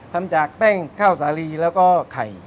ทำจากแป้งข้าวสาลีแล้วก็ไข่